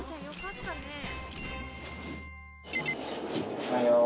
おはよう。